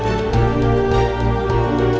bertahan bertahan sayang